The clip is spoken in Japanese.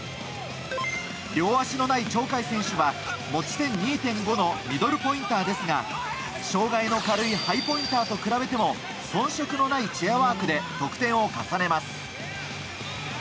両足のない鳥海選手は持ち点２．５のミドルポインターですが障害の軽いハイポインターと比べても遜色のないチェアワークで得点を重ねます。